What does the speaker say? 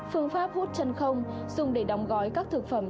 phương pháp hút chân không dùng để đóng gói các thực phẩm